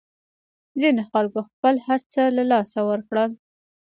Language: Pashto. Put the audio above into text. ځینو خلکو خپل هرڅه له لاسه ورکړل.